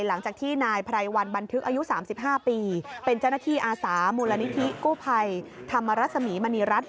หลังจากที่นายไพรวันบันทึกอายุ๓๕ปีเป็นเจ้าหน้าที่อาสามูลนิธิกู้ภัยธรรมรสมีมณีรัฐ